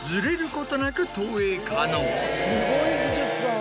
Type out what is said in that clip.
すごい技術だ！